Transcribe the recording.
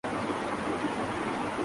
حفیظ کی اپنی کارکردگی ہی اتنی خراب ہے